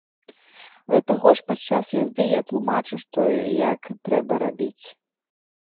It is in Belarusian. Да таго ж падчас язды я тлумачу, што і як трэба рабіць.